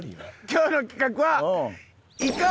今日の企画は。